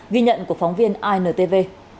ghi nhận của phóng viên intv